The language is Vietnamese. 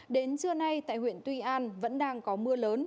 đến trưa nay tại huyện tuy an vẫn đang có mưa lớn